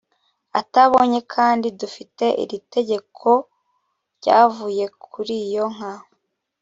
atabonye kandi dufite iri tegeko ryavuye kuri yo nka